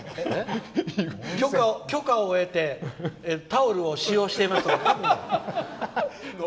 許可を得てタオルを使用していますとか。